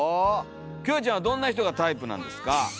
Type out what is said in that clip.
キョエちゃんはどんな人がタイプなんですか？